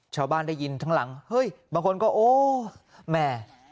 ชาวบ้านได้ยินทั้งหลังเฮ้ยบางคนก็โอ้แม่